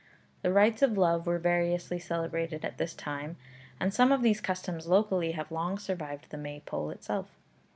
The rites of love were variously celebrated at this time, and some of these customs locally have long survived the Maypole itself.